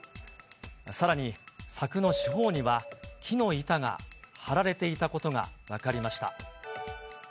さらに、柵の四方には、木の板が張られていたことが分かりました。